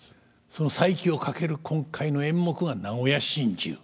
その再起をかける今回の演目が「名古屋心中」。